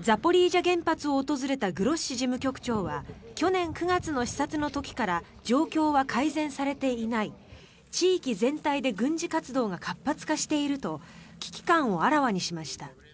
ザポリージャ原発を訪れたグロッシ事務局長は去年９月の視察の時から状況は改善されていない地域全体で軍事活動が活発化していると危機感をあらわにしました。